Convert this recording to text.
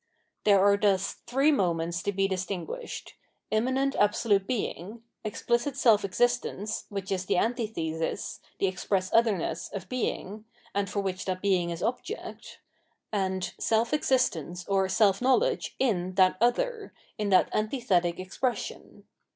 There are thus three moments to be distinguished : immanent absolute Being ; explicit Self existence, which is the antithesis, the express otherness, of Being, and for which that Being is object ; and Self existence or Self knowledge in that other, in that antithetic expression.